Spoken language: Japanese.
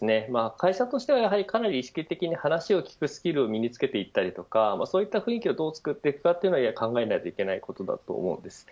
会社としてはやはりかなり意識的に話を聞くスキルを身に付けたりそういった雰囲気をどう作るか考えないといけないことだと思うんです。